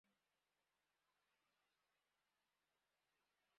Nubwo eho hebeho indengemenote rusenge imiryengo yose